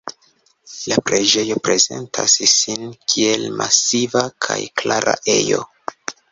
La preĝejo prezentas sin kiel masiva kaj klara ejo.